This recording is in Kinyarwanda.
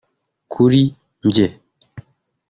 Kuri njye